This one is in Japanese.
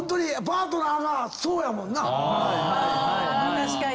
確かに！